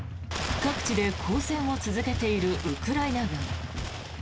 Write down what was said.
各地で抗戦を続けているウクライナ軍。